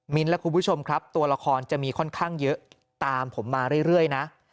และคุณผู้ชมครับตัวละครจะมีค่อนข้างเยอะตามผมมาเรื่อยนะ